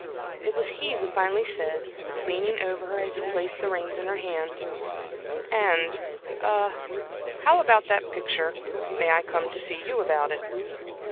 It was he who finally said, leaning over her as he placed the reins in her hand: "And a how about that picture? May I come to see you about it?"